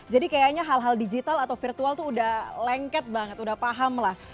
jadi kayaknya hal hal digital atau virtual tuh udah lengket banget udah paham lah